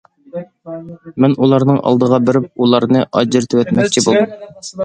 مەن ئۇلارنىڭ ئالدىغا بېرىپ ئۇلارنى ئاجرىتىۋەتمەكچى بولدۇم.